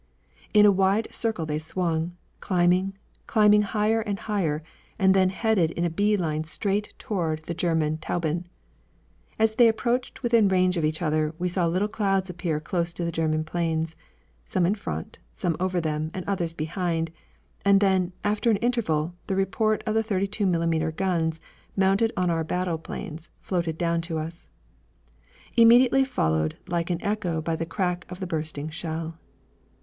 In a wide circle they swung, climbing, climbing higher and higher, and then headed in a bee line straight toward the German Tauben. As they approached within range of each other, we saw little clouds appear close to the German planes, some in front, some over them, and others behind; and then, after an interval, the report of the 32mm. guns mounted on our battle planes floated down to us, immediately followed like an echo by the crack of the bursting shell.